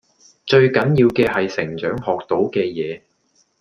最緊要嘅係成長學到嘅嘢⠀